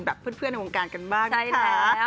แบบเพื่อนในวงการกันบ้าง